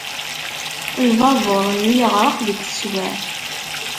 Lbabuṛ-nni yeɣreq deg teswiɛt.